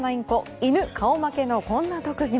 犬、顔負けのこんな特技も。